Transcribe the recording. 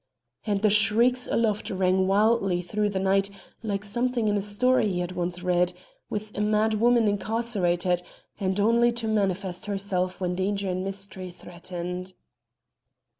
And the shrieks aloft rang wildly through the night like something in a story he had once read, with a mad woman incarcerated, and only to manifest herself when danger and mystery threatened.